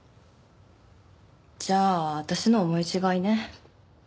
じゃあ私の思い違いね。